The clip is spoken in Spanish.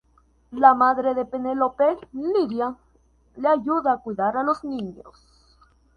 La madre de Penelope, Lydia, le ayuda a cuidar de los niños.